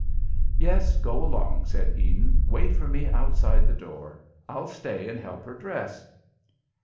"Yes, go along," said Eden. "Wait for me outside the door. I'll stay and help her dress."